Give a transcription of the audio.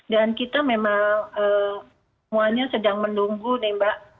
dan kita memang semuanya sedang menunggu nih mbak